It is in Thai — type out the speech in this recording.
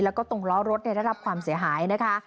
แล้วก็ตรงล้อรถได้รับความเสียหายนะคะ